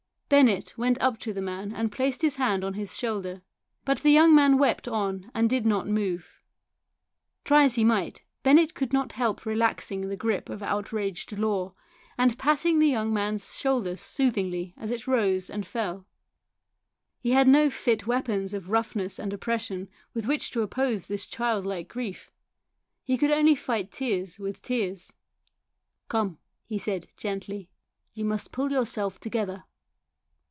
Bennett went up to the young man and placed his hand on his shoulder. But the young man wept on and did not move. Try as he might Bennett could not help relaxing the grip of outraged law, and patting the young man's shoulder soothingly as it rose and fell. He had no fit weapons of rough ness and oppression with which to oppose this child like grief; he could only fight tears with tears. " Come," he said gently, " you must pull yourself together."